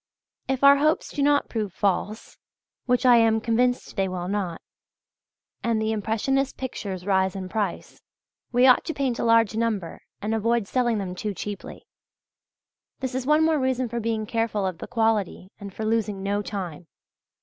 If our hopes do not prove false which I am convinced they will not and the impressionist pictures rise in price, we ought to paint a large number and avoid selling them too cheaply. This is one more reason for being careful of the quality and for losing no time.